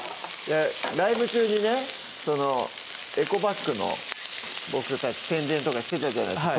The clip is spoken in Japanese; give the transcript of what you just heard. ライブ中にねエコバッグの僕たち宣伝とかしてたじゃないですか